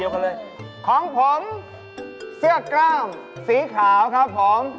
ของผมเสื้อกล้ามสีขาวครับผม